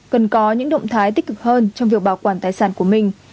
cần có những động thái tích cực hơn trong việc bảo quản tài sản của mình